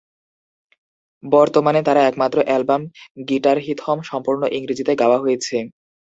বর্তমানে তার একমাত্র অ্যালবাম "গিটারহিথম" সম্পূর্ণ ইংরেজিতে গাওয়া হয়েছে।